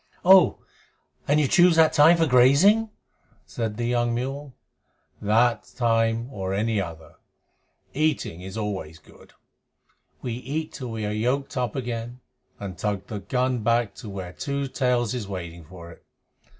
"Oh! And you choose that time for grazing?" said the young mule. "That time or any other. Eating is always good. We eat till we are yoked up again and tug the gun back to where Two Tails is waiting for it.